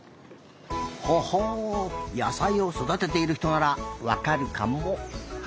ほほう野さいをそだてているひとならわかるかも。